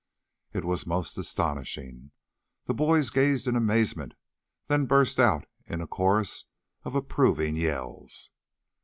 It was most astonishing. The boys gazed in amazement; then burst out in a chorus of approving yells.